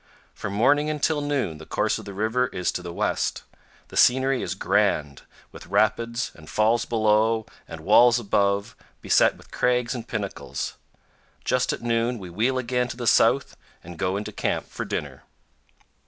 From morning until noon the course of the river is to the west; the scenery is grand, with rapids, and falls below, and walls above, beset with crags and pinnacles. Just at noon we wheel again to the south and go into camp for dinner.